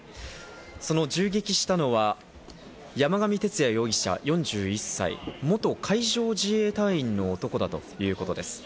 その銃撃したのが山上徹也容疑者、４１歳、元海上自衛隊員の男だということです。